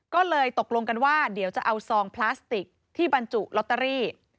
ก็เลยตกลงกันว่าเดี๋ยวจะเอาซองพลาสติกที่บรรจุลอตเตอรี่